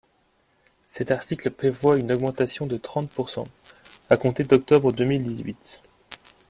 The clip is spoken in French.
Cet article prévoit une augmentation de trente pourcent, à compter d’octobre deux mille dix-huit.